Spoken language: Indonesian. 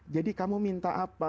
jadi kamu minta apa